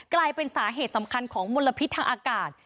กลายเป็นสาเหตุสำคัญของมลพิษทางอากาศ